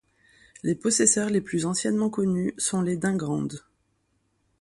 Les possesseurs les plus anciennement connus sont les d'Ingrandes.